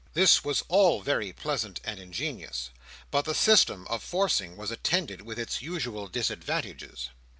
This was all very pleasant and ingenious, but the system of forcing was attended with its usual disadvantages.